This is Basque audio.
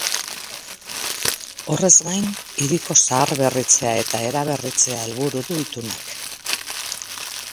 Horrez gain, hiriko zaharberritzea eta eraberritzea helburu du itunak.